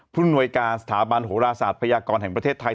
หน่วยการสถาบันโหราศาสตร์พยากรแห่งประเทศไทย